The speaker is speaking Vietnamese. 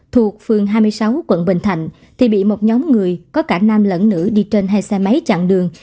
thuộc phường hai mươi sáu quận bình thạnh thì bị một nhóm người có cả nam lẫn nữ đi trên hai xe máy chặn đường